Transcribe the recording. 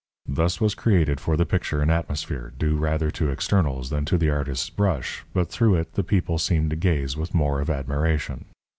Thus was created for the picture an atmosphere, due rather to externals than to the artist's brush, but through it the people seemed to gaze with more of admiration.